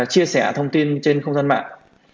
chia sẻ thông tin trên không gian mạng